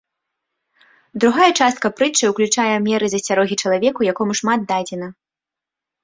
Другая частка прытчы ўключае меры засцярогі чалавеку, якому шмат дадзена.